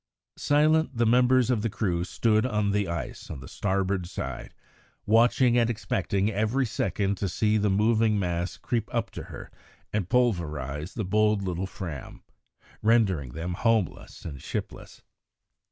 Silent the members of the crew stood on the ice on the starboard side watching and expecting every second to see the moving mass creep up to her and pulverise the bold little Fram, rendering them homeless and shipless.